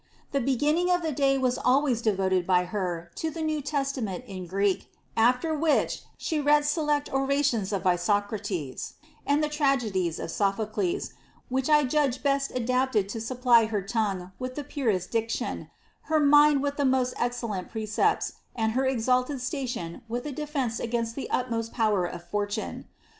The beginning of the day was idwajs devoted by her to the New Testament in Greek, aAer which she read select orations of Fsocrates, and the tragedies of Sophocles, which 1 judged best adapted to supply her tongue with the purest diction, hei mind with the most 'excellent precepts, and her exalted station with a defence against the utmost power of fortune.